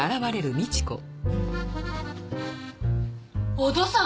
お父さん！